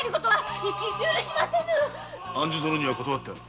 庵主殿には断ってある。